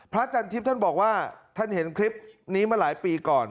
จันทิพย์ท่านบอกว่าท่านเห็นคลิปนี้มาหลายปีก่อน